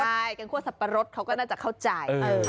ใช่แกงคั่วสับปะรดเขาก็น่าจะเข้าใจ